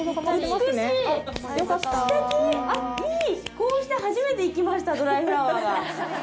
こうして初めて生きましたドライフラワーが。